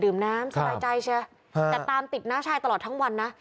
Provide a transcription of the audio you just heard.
น้ำสบายใจเชียวแต่ตามติดน้าชายตลอดทั้งวันนะ